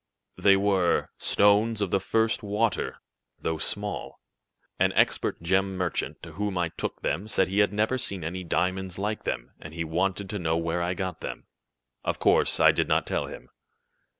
"They were stones of the first water, though small. An expert gem merchant, to whom I took them, said he had never seen any diamonds like them, and he wanted to know where I got them. Of course I did not tell him.